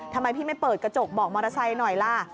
ทำไมพี่ไม่เปิดกระจกบอกมอเตอร์ไซค์หน่อยล่ะ